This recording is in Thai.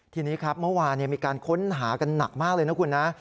ทีนี้ครับเมื่อวานมีการค้นหากันหนักมากเลยนะคุณนะ